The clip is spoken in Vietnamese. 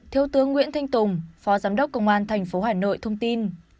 thiếu tướng nguyễn thanh tùng phó giám đốc công an tp hà nội thông tin